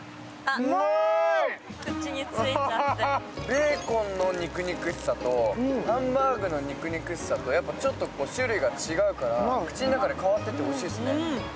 ベーコンの肉肉しさと、ハンバーグの肉肉しさとちょっと種類が違うから、口の中で変わってってほしいですね。